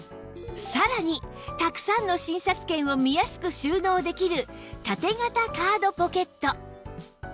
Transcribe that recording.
さらにたくさんの診察券を見やすく収納できる縦型カードポケット